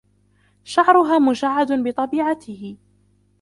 شعرها مجعد بطبيعته.